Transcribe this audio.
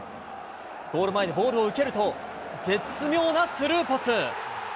ゴール前でボールを受けると、絶妙なスルーパス。